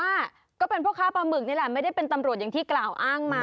ก็เป็นพ่อค้าปลาหมึกนี่แหละไม่ได้เป็นตำรวจอย่างที่กล่าวอ้างมา